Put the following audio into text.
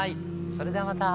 それではまた。